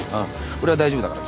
俺は大丈夫だから